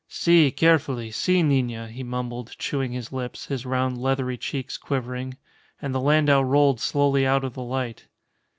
"Si, carefully; si nina," he mumbled, chewing his lips, his round leathery cheeks quivering. And the landau rolled slowly out of the light.